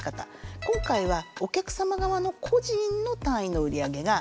今回はお客様側の個人の単位の売り上げがどうなのか。